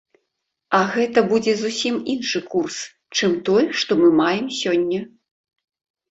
А гэта будзе зусім іншы курс, чым той, што мы маем сёння.